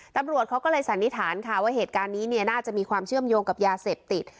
ตำรวจเขาก็เลยสันนิษฐานค่ะว่าเหตุการณ์นี้เนี่ยน่าจะมีความเชื่อมโยงกับยาเสพติด